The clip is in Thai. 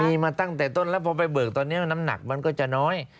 มีมาตั้งแต่ต้นแล้วพอไปเบิกตอนนี้น้ำหนักมันก็จะน้อย